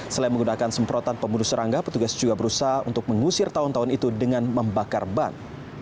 selain menggunakan semprotan pembunuh serangga petugas juga berusaha untuk mengusir tahun tahun itu dengan membakar ban